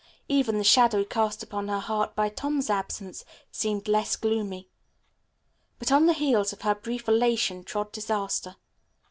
Even the shadow cast upon her heart by Tom's absence seemed less gloomy. But on the heels of her brief elation trod disaster.